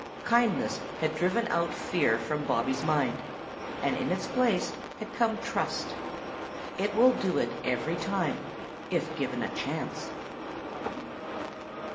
Kindness had driven out fear from Bobby's mind, and in its place had come trust. It will do it every time, if given a chance.